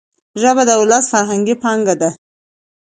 ژبه د ولس فرهنګي پانګه ده.